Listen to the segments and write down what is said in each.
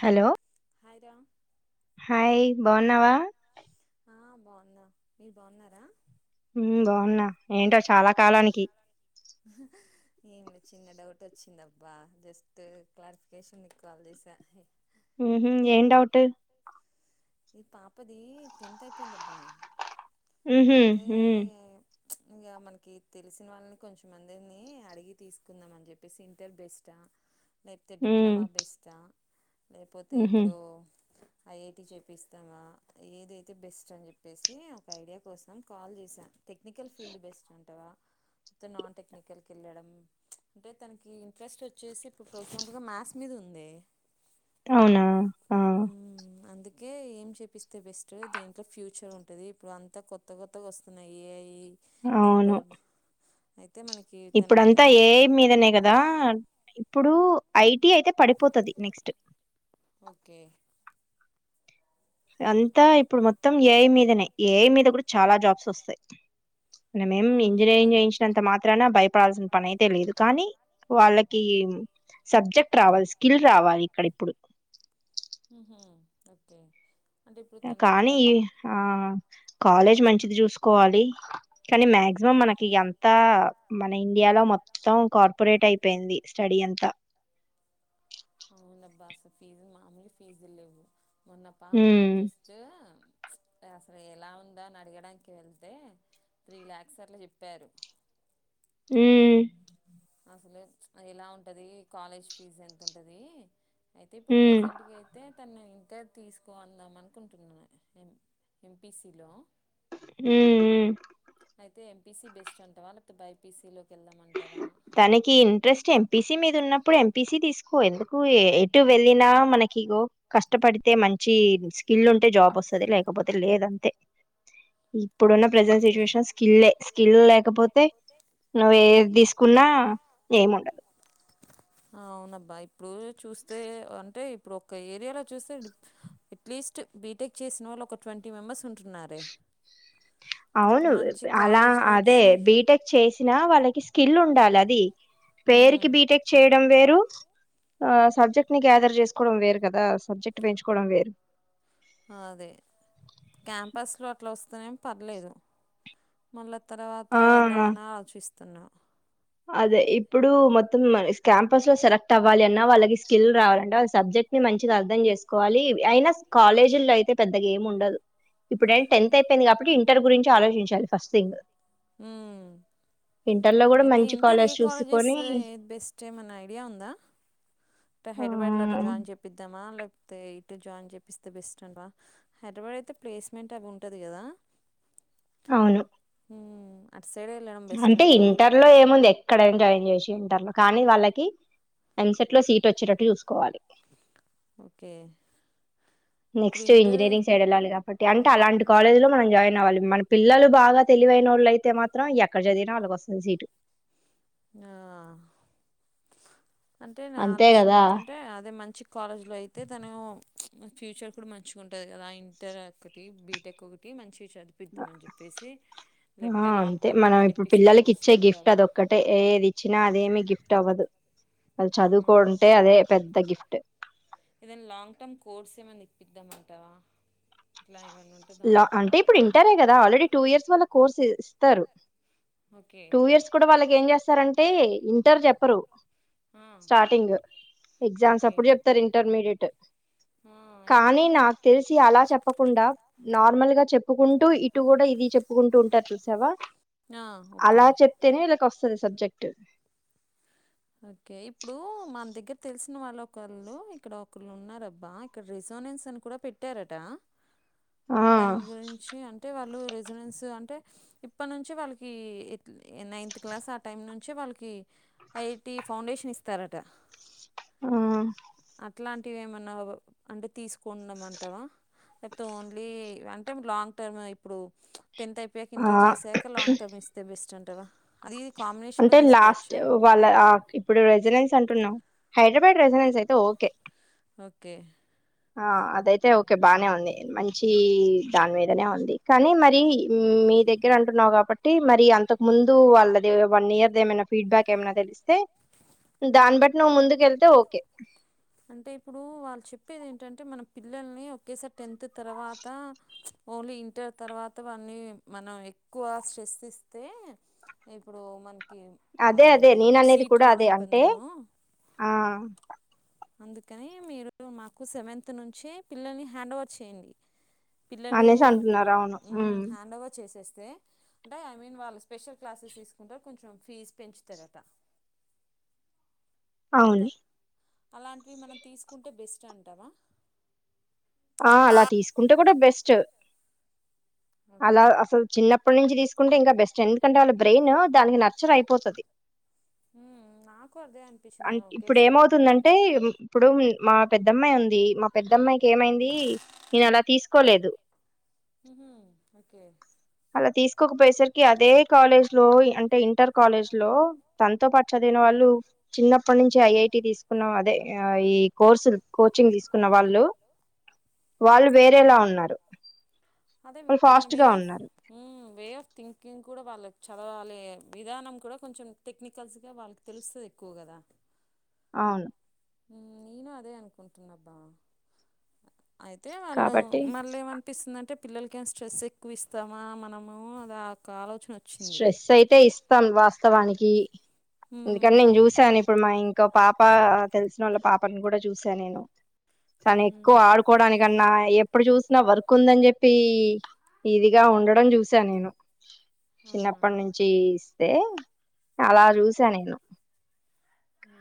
Hello hi బాన్నావా ఆ ఆ బాగున్నా మీరు బాగున్నారా బాగున్నా ఏంటో చాలా కాలానికి ఏమిలో చిన్న డౌట్ వచ్చిందబ్బా జస్ట్ క్లారిఫికేషన్కాలజీస ఏం డౌట్ ఇది పాపది టెన్త్ అయిపోయిందబ్బా హ్మ్ ఇంకా మనకి తెలిసిన వాళ్ళని కొంచెంమందిని అడిగి తీసుకుందాం అని చెప్పేసి ఇంటర్ బెస్టా లేకపోతే డిప్లొమా బేస్తా లేకపోతే ఇప్పుడు అ ఏటి చెప్పి చపిస్తావా ఏదైతే బెస్ట్ అని చెప్పేసి ఒక ఐడియా కోస్తాం కాల్ చేసాం టెక్నికల్ ఫీల్డ్ బెస్ట్ అంటావా అ నాన్ టెక్నికల్కి వెళ్ళడం అంటే తనకి ఇంట్రెస్ట్ వచ్చేసి ఇప్పుడు ప్రోగంల్గా మ్యాథ్స్ మీద ఉంది అవునా అందుకే ఏం చెపిస్తే బెస్ట్ దీంట్లో ఫ్యూచర్ ఉంటది ఇప్పుడు అంతా కొత్త కొత్తగా వస్తున్నాయి ఏ అవును ఇప్పుడంతా ఏఐ మీదనే కదా ఇప్పుడు ఐ అయితే పడిపోతుది నెక్స్ట్ అంతా ఇప్పుడు మొత్తం ఏఐ మీదనే ఏఐ మీద కూడా చాలా జాబ్స్ వస్తాయి మనమేం ఇంజనీరింగ్ చేయించినంత మాత్రాన భయపడాల్సిన పని అయితే లేదు కానీ వాళ్ళకి సబ్జెక్ట్ రావాలి స్కిల్ రావాలి ఇక్కడ ఇప్పుడు ఓకే కానీ ఆ కాలేజ్ మంచిది చూసుకోవాలి కానీ మ్యాగ మమం మనకి ఎంత మన ఇండియాలో మొత్తం కార్పొరేట్ అయిపోయింది స్టడీ అంతా అవునబ్బా అసలు ఫీజు మామూలు ఫీజు లేవు మొన్న పాపకి జస్ట్ అసలు ఎలా ఉందో అని అడగడానికి వెళ్తే త్రీ ల్యాక్స్ అట్లా చెప్పారు హ అసలే ఎలా ఉంటది కాలేజ్ ఫీజ్ ఎంతంటది అయితే ఇప్పుడు ప్రెజెంట్ అయితే తను ఇంటర్ తీసుకు అందాం అనుకుంటున్నాను ఎం ఎంపీసలో హ అయితే ఎంపీసీ బెస్ట్ అంటవా లేకపోతే బైపీస లోకి వెళ్దామ అంటావా తనకి ఇంట్రెస్ట్ ఎంపీసి మీద ఉన్నప్పుడు ఎంపీసి తీసుకో ఎందుకు ఎటు వెళ్ళినా మనకిగో కష్టపడితే మంచి స్కిల్ ఉంటే జాబ్ వస్తుంది లేకపోతే లేదంతే ఇప్పుడున్న ప్రజెంట్ సిచ్యువేషన్ స్కిల్ స్కిల్ లేకపోతే నువ్వు ఏ అన్న నేయిము ఉండదు అవునబ్బా ఇప్పుడు చూస్తే అంటే ఇప్పుడు ఒక ఏరియాలో చూస్తే అట్లీస్ట్ బీటెక్ చేసిన వాళ్ళు ఒక ట్వంటీ మెంబర్స్ ఉంటున్నారే అవును అలా అదే బీటెక్ చేసినా వాళ్ళకి కిల్ ఉండాలి అది పేరుకి బీటెక్ చేయడం వే ఆ సబ్జెక్ట్ ని గ్యాదర్ చేసుకోవడం వేరు కదా సబ్జెక్ట్ పెంచుకోవడం వేరు అదే క్యాంపస్ లో అట్లా వస్తనేం పర్లేదు మళ్ళా తర్వాత ఇలా ఆలోచిస్తా త్తన్నా అదే ఇప్పుడు మొత్తం క్యాంపస్ లో సెలెక్ట్ అవ్వాలి అన్న వాళ్ళకి స్కిల్ రావాలంటే వాళ్ళ సబ్జెక్ట్ ని మంచిగా అర్థం చేసుకోవాలి అయినా కాలేజీల్లో అయితే పెద్దగా ఏం ఉండదు ఇప్పుడ ఏం టెన్త్ అయింది కాబట్టి ర్ గురించి ఆలోచించాలి ఫస్ట్ థింగ్ అయితే అంటర్ ఏ కాలజెస్ ఏ బెస్ట్ ఏమన ఐడియా ఉందా అ హైదరాబాద్ లో అట జాయిన్ చెప్పిద్దామా తే ఇట్ జాయిన్ చేపిస్తే బెస్ట్ అనవా హైదరాబాద్ అయితే ప్లేస్మెంట్ అవి ఉంటది కదా అవును అంటే ఇంటర్లో ఏముంది ఎక్కడైనా జాయిన్ చేయచ్చు ంటలు కానీ వాళ్ళకి ఎంసెట్ లో సీట్ వచ్చేటట్టు చూసుకోవాలి ఓకే నెక్స్ట్ ఇంజనీరింగ్ సైడ్ వెళ్ళాలి కాబట్టి అంటే అలాంటి కాలేజ్లో మనం జాయిన్ అవ్వాలి మన పిల్లలు బాగా తెలివన వాళ్ళు అయితే మాత్రం ఎక్కడ చదివినా వాళ్ళకి వస్తుంది సీటు ఆ అంటే నా ఆలోచన ఏంటంటే అదే మంచి కాలేజ్ లో అయితే తను ఫ్యూచర్ కూడా మంచిగా ఉంటంది కదా ఇంటర్ ఒకటి బీటెక్ ఒకటి మంచి చదిపిద్దాం అని చెప్పేసి లేకపోతే లాంగ్ టర్మ్ ఏమని ఇప్పిస్తే బెస్ట్ అంటావా చ్చినా అదేమీ గిఫ్ట్ అవ్వదు అది చదువుకోంటే అదే పెద్ద గిఫ్ట్ పిద్దామంటావా లాన్ అంటే ఇప్పుడు ఇంటరే కదా, ఆల్రెడీ టూ ఇయర్స్ వాళ్ళ కోర్స్ ఇస్తారు. టూ ఇయర్స్ కూడా వాళ్ళకి, ఏం చేస్తారంటే ఇంటర్ చెప్పరు. స్టార్టింగ్ ఎగ్జామ్స్ అప్పుడు చెప్తారు ఇంటర్మీడియట్ కానీ నాకు తెలిసి అలా చెప్పకుండా నార్మల్ గా చెప్పుకుంటూ ఇటు కూడా ఇది చెప్పుకుంటూ ఉంటారు చూసావా అలా చెప్తేనే ఇలాకి వస్త్ వస్తాది సబ్జెక్ట్ ఓకే, ఇప్పుడు మన దగ్గర తెలిసిన వాళ్ళు, ఒకళ్ళు ఇక్కడ ఒకళ్ళు ఉన్నారబ్బా. ఇక్కడ రిసోనెన్స్ అని కూడా పెట్టారట. దాని గురించి అంటే, వాళ్ళు రెజినెన్స్ అంటే ఇప్పటి నుంచి వాళ్ళకి నైన్త్ క్లాస్ ఆ టైం నుంచి వాళ్ళకి ఐటి ఫౌండేషన్ ఇస్తారట. ఉహ్మ్ అట్లాంటివి ఏమన్నా అంటే, తీసుకున్నామంటావా లేకపోతే, ఓన్లీ అంటే లాంగ్ టర్మ్ ఇప్పుడు. టెన్త్ అయిపోయాక. ఇంటర్ చేశాకలాంగ్ టర్మ్ ఇస్తే బెస్ట్ అంట్ టవా అది కాంబినేషన్లో తీసుకోవచ్చా? వాళ్ళ ఇప్పుడు రెసిడెన్స్ అంటున్నావు. హైదరాబాద్ రెసిడెన్స్ అయితే ఓకే. ఓకే ఆ అదైతే ఓకే బాగానే ఉంది. మంచి దాని మీదనే ఉంది. కానీ మరి మీ దగ్గర అంటున్నావు, కాబట్టి మరి అంతకు ముందు వాళ్ళది వన్ ఇయర్, ఏమైనా ఫీడ్బ్యాక్, ఏమైనా తెలిస్తే, దాన్ని బట్టి నువ్వు ముందుక వెళ్తే ఓకే. అంటే ఇప్పుడు వాళ్ళు చెప్పేది, ఏంటంటే మన పిల్లల్ని ఒకేసారి టెన్త్ తర్వాత ఆ ఓన్లీ ఇంటర్ తర్వాత, వాన్నీ మనం ఎక్కువ స్ట్రెస్ ఇస్తే ఇప్పుడు మన్ అదేంటి సీట్, రావడం ఇబ్బంది ఏమో అందుకని మీరు మాకు, సెవెంత్ నుంచి పిల్లల్ని హ్యాండ్ ఓవర్ చేయండి. పిల్లలు హ్యాండ్వర్ చేసేస్త అంటే ఐ మీన్ వాళ్ళు స్పెషల్ క్లాసెస్ తీసుకుంటారు కొంచెం ఫీజ్ పెంచుతారట అవును అలాంటివి మనం, తీసుకుంటే బెస్ట్ అంటామా ఆ అలా తీసుకుంటే కూడా బెస్ట్ చె అలా అసలు చిన్నప్పటి నుంచి తీసుక్ కుంటే ఇంకా బెస్ట్. ఎందుకంటే వాళ్ళ బ్రెయిన్, దానికి నర్చర్ అయిపోతుంది అంట్ ఇప్పుడు ఏమవుతుందంటే ఇప్పుడు మా పెద్దమ్మాయి ఉంది. మా పెద్దమ్మాయికి ఏమైంది హుమ్ ఓకే ఒక పైసల్ కి అదే కాలేజ్ లో అంటే ఇంటర్ కాలేజ్ లో తనతో పాటు చదివిన వాళ్ళు చిన్నప్పటి నుంచి ఐఐటి తీసుకున్న అదే ఈ కోర్సు కోచింగ్ తీసుకున్న వాళ్ళు వాళ్ళు వేరేలా ఉన్నారు అదే మన way of hmm way of thinking కూడా వాళ్ళకి చదవాలే విధానం కూడా కొంచెం టెక్నికల్స్గా వాళ్ళకి తెలుస్తది ఎక్కువ కదా అవును హ్మ్ నేను అదే అనుకుంటున్నా అబ్బా అయితే వాళ్ళు మళ్ళీ ఏమనిపిస్తుందంటే పిల్లలక ఏనా స్ట్రెస్ ఎక్కువ ఇస్తామా మనము అది ఆ ఆలోచన స్ట్రెస్ అయితే ఇ వాస్తవానికి ఎందుకంటే నేను చూసాను ఇప్పుడు మా ఇంకో పాప తెలిసిన వాళ్ళ పాప అప్పని కూడా చూసా నేను తను ఎక్కువ ఆడుకోవడానికన్నా ఏ అప్పుడు చూసిన వర్క్ ఉందని చెప్పి ఈదిగా ఉండడం చూసా నేను చిన్నప్పటి నుంచి అ అలా చూసా నేను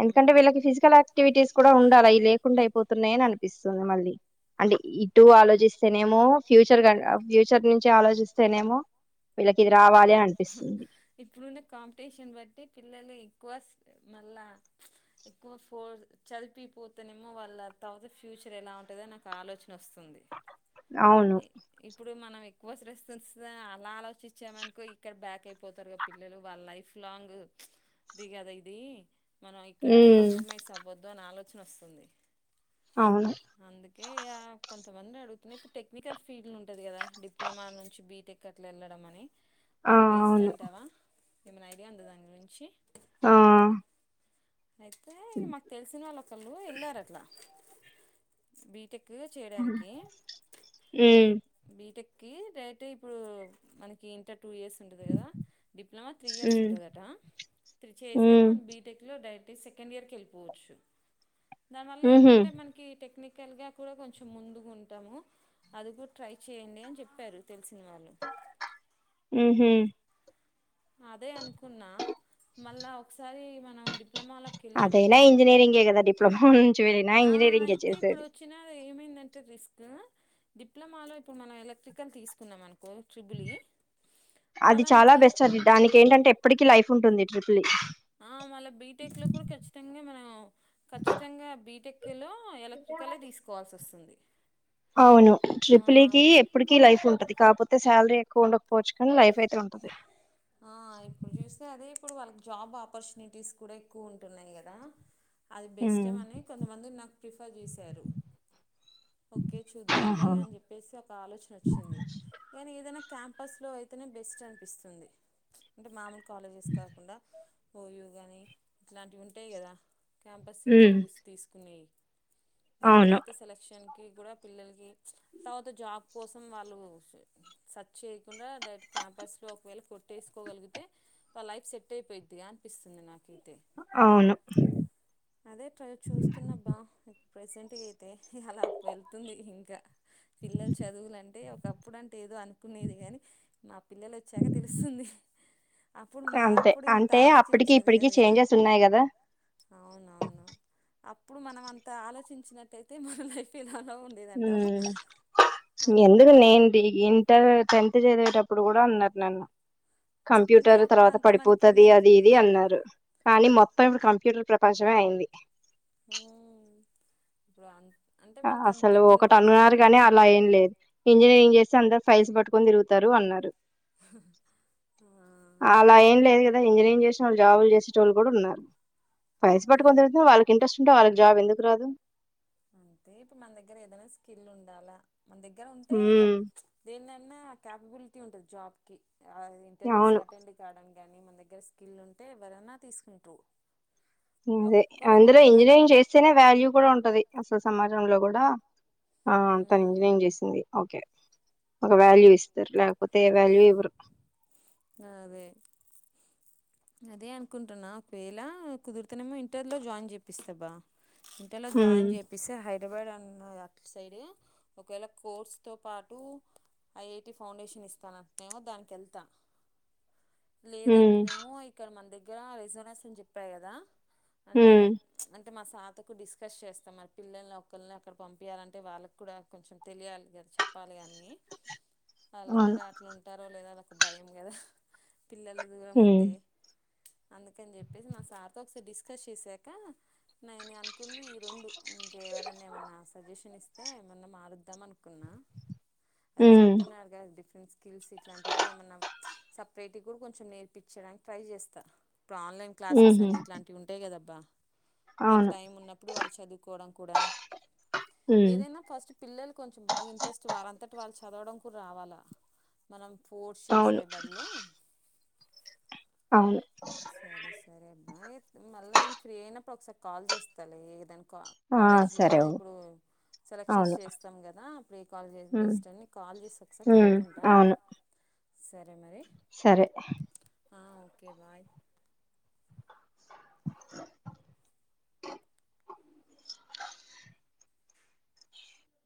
ఎందుకంటే వీళ్ళకి ఫిజికల్ యాక్టివిటీస్ కూడా ఉండాలి అవి లేకుండా అయిపోతున్నాయని అపి స్తుంది మళ్ళీ అంటే టూ ఆలోచిస్తేనేమో ఫ్యూచర్ కంట ఫ్యూచర్ నుంచి ఆలోచిస్తేనేమో వీళ్ళకి ఇప్పుడున్న కాంపిటీషన్ బట్టి పిల్లలు ఎక్కువ మళ్ళా ఎక్కువ ఫో చదిపిపోతనేమో వాళ్ళ తవాత ఫ్యూచర్ ఎలా ఉంటంద నాకు ఆలోచన వస్తుంది ఇప్పుడు మనం ఎక్కువస్ట్రెస్ స అలా ఆలోచించామనుకో ఇక్కడ బ్యాక్ అయిపోతారు కదా పిల్లలు వాళ్ళ లైఫ్ లాంగ్ ఇది కదా ఇది మనం ఇక్కడ కంప్రమైజ్ అవ్వద్దు అని ఆలోచ వచ్చిన వస్తుంది అందుకే ఇ కొంచ ఇ అందరు అడుతుయి ఇప్పుడు టెక్నికల్ ఫీల్డ్ ఉంటుది కదా డిప్లొమా నుంచి బీటెక్ అట్లా వెళ్డం అని అది వేస్ట్ అంటావా ఏమైనా ఐడియా అంద దాని గురించి ఆ అయితే మాకు తెలిసిన వాళ్ళు ఒకళ్ళు వెళ్ళారు అట్లా బ బ టెక్ చేయడానికి బీటెక్ కి డైరెక్ట్ ఇప్పుడు మనకి ఇంటర్ టూ ఇయర్స్ ఉంటుంది కదా డిప్లొమా త్రీ ఇయర్స్ ఉంటుందట త్రి చేశాక మన బీటెక్లో డైర సెకండ్ ఇయర్ కి వెళిపోవచ్చు దానివల్ల ఏంటంటే మనకి టెక్నిక్ కిన్కల కూడా కొంచెం ముందు ఉంటాము అది కూడా ట్రై చేయండి అని చెప్పారు తెలు అ హ అదే అనుకున్నా మళ్ళా ఒకసారి మనం డి అదేనా ఇంజిననీరింగే కదా డిప్లొమ నుంచి నా ఇంజిననీరింగే చేసేది ఏమందంటే రిస్క్ డిప్లొమా లో ఇప్పుడు మనం ఎలక్ట్రికల్ తీసుకున్నాం నుకో అది చాలా బెస్ట్ అది దానికి ఏంటంటే ఎప్పటికి లైఫ్ ఉంటుంది ఆ మళ బీటెక్ లో కూడా ఖచ్చితంగా మనం ఖచ్చితంగా బీటెక్ లో ఎలక్ట్రికల్ తీసుకోవాల్సి వస్తుంది అవును ట్రిప్లి కి ఎప్పటికి లైఫ్ ఉంటది కాపోతే శాలరీ ఏకువ ఉండకపోవచ్చు కానీ లైఫ్ అయితే ఉంటది ఆ ఇప్పుడు చూస్తే అదే ఇప్పుడు వాళ్ళకి జాబ్ ఆపర్చునిటీస్ కూడా ఎక్కువ ఉంటున్నాయి కదా అది బెస్ట్ ఏమని కొంతమంది నాకు కాల్ జేసారు ఓకే చూద్దాంలే అని చెప్పేసి ఒక ఆలోచన ఒచ్చింది కానీ ఏదైనా క్యాంపస్ లో అయితేనే బెస్ట్ అనిపిస్తుంది అంటే మాములు కాలేజెస్ కాకుండా ఓయో కానీ ఇలాంటివి ఉంటయి కదా క్యాంపస్ ఇంటర్వ్యూస్ తీసుకునేయి దాంట్లో అయితే సెలక్షన్ కి కూడా పిల్లలకి తర్వాత జాబ్ కోసం వాళ్ళు స్ సర్చ్ చేయకుండా డైరెక్ట్ క్యాంపస్లో ఒకవేళ కుర్ టేసుకోగలిగితే ఆ లైఫ్ సెట్ అయిపోయిద్దిగా అనిపిస్తుంది నాకు ఇది అవును అదే ట్రై చూస్తున్నాబ్బా ఇ ప్రెజెంట్ అయితే అలా వెళ్తుంది ఇంకా పిల్లలు చదువులంటే ఒకప్పుడు అంటే ఏదో అనుకునేది కానీ మా పిల్లలు వచ్చాక తెలుస్తుంది అప్పుడు మా అప్పుడు ఇంత ఆలోచించేది కదు కదా అప్పుడు మనం అంత ఆలోచించినట్టయితే మన లైఫ్ ఇలా ఊమ్ ఎందుకు లేండి ఇంటర్ టెన్త్ చదిటప్పుడు కూడా అన్నరు నన్ను కంప్యూటర్ తర్వాత పడిపోతది అది ఇది అన్నారు కానీ మొత్తం ఇప్పుడు కంప్యూటర్ ప్రపంచమే అయింది ఊమ్ ఇప్పుడు అం అసలు ఒకటి అన్నారు కానీ అలా ఏం లేదు ఇంజనీరింగ్ చేస్ చంద ఫైల్స్ పట్టుకొని తిరుగుతారు అన్నారు అలా ఏం లేదు కదా ఇంజనీరింగ్ జేసి చాలా జాబులు చేసేటోళ్లు కూడా ఉన్నారు ఫైల్స్ పట్టుకొని తిరుగుతున్న వాళ్ళకి ఇంట్రెస్ట్ ఉంటే వాళ్ళకి జాబ్ ఎందుకు రాదు అంతే ఇప్పుడు మన దగ్గర ఏదైనా స్కిల్ ఉండాలా మన దగ్గర ఉంటే ఇగ దేనైనా ఐన క్యాపబిలిటీ ఉంటది జాబ్ కి ఆ ఇంటర్వ్యూస్కి అటెండ్ కాడం కానీ మన దగ్గర స్కిల్ ఉంటే ఎవరన్నా తీసుకుంట్రూ ఇదే అందులో ఇంజనీరింగ్ చేస్తేనే వాల్యూ కూడా ఉంటది అసలు సమాజంలో గూడా ఆ తను ఇంజనీరింగ్ చేసింది ఓకే ఒక వాల్యూ ఇస్తారు లేకపోతే ఏ వాల్యూ ఇవ్వరు అదే అదే అనుకుంటున్నా ఒకవేళ కుదురుతనేమో ఇంటర్ లో జాయిన్ చెపిస్తబ్బా ఇంటర్లో జాయిన్ జేపిస్తే హై హైదరాబాద్ అన్న అట్ సైడ్ ఒకవేళ కోర్స్తో పాటు ఐఐటి ఫౌండేషన్ ఇస్తానంటెనేమో దానికి వెళ్తా లేదంటేనేమో ఇక్కడ మన దగ్గర దగ్గర రెసొనెన్స్ అని చెప్పా కదా అంటే అంటే అంటే మా సార్తో కూడా డిస్కస్ చేస్తా మరి పిల్లల్ని ఒక్కరిని అక్కడ పంపించాలంటే వాళ్ళకి కూడా కొంచెం తెలియాలి కదా చెప్పాలి అని నీ వాళ్ళు కూడా అట్లా ఉంటారో లేదా అ భయం గదా పిల్లలు దూరం ఉంటే అందుకని చెప్పేసి నా సార్తో ఒకసారి డిస్కస్ చేసాక నేను అనుకున్న ఈ రెండు ఇంక ఎవరన్నా ఏమన్నా సజెషన్ ఇస్త ఐతే మోన్న మారుద్దాం అనుకున్నా అదే చెప్తున్నారు కదా డిఫ స్కిల్స్ ఇట్లాంటివి కూడా ఏమన్నా సపరేట్కి కూడా కొంచెం నేర్పించడానికి ట్రై చేస్తా ఇప్పుడు ఆన్లైన్ క్లాసెస్ అని ఇట్లాంటివి ఉంటాయి కదబ్బ వాళ్ళ టైం ఉన్నప్పుడు వాళ్ళు చదువుకోవడం కూడా ఏదైనా ఫస్ట్ పిల్లలు కొంచెం బాగా ఇంట్రెస్ట్ వాళ్ళంతట వాళ్ళు చదవడం కు రావాల మనం ఫోర్స్ చేసే హలో అవును సరే సరే బాయ్ మళ్ళ నేను ఫ్రీ అయినప్పుడు ఒకసారి కాల్ చేస్తాలే ఏదాన కి కాలేజీలో ఇప్పుడు సెలెక్షన్స్ చేస్తాం కదా అప్పుడు ఏ కాలేజ్ ఐతే బెస్ట్ అని కాల్ చేసి ఒకసారి కనుక్కుంటా సరే మరి సరే ఆ ఓకే బాయ్